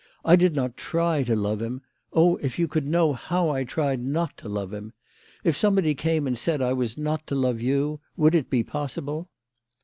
I did not try to love him. Oh, if you could know how I tried not to love him ! If somebody came and said I was not to love you, would it be possible?"